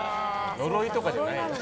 呪いとかじゃないよ。